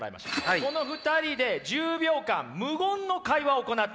この２人で１０秒間無言の会話を行ってもらいます。